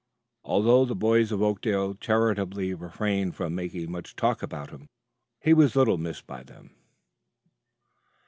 Although the boys of Oakdale charitably refrained from making much talk about him, he was little missed by them.